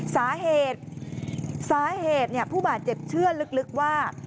สาเหตุสาเหตุผู้บาดเจ็บเชื่อลึกว่า